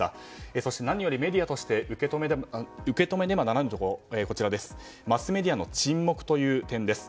そして何よりメディアとして受け止めねばならぬところがマスメディアの沈黙という点です。